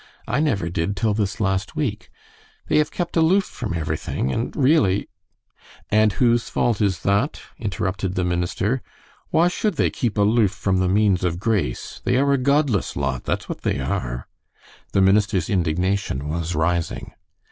I never did till this last week. They have kept aloof from everything, and really " "And whose fault is that?" interrupted the minister. "Why should they keep aloof from the means of grace? They are a godless lot, that's what they are." The minister's indignation was rising.